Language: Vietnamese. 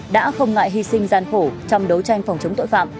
đã không ngại hy sinh gian khổ trong đấu tranh phòng chống tội phạm